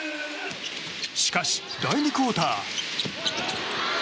しかし、第２クオーター。